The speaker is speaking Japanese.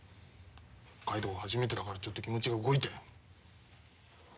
北海道は初めてだからちょっと気持ちが動いて。